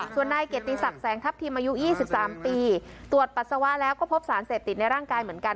ส่วนนายเกียรติศักดิ์แสงทัพทิมอายุ๒๓ปีตรวจปัสสาวะแล้วก็พบสารเสพติดในร่างกายเหมือนกัน